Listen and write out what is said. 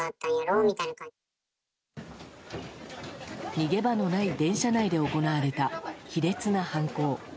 逃げ場のない電車内で行われた卑劣な犯行。